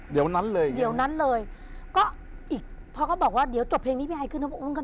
เดี๋ยวนั้นเลยเดี๋ยวนั้นเลยก็อีกพอก็บอกว่าเดี๋ยวจบเพลงนี้พี่ไอขึ้นนะ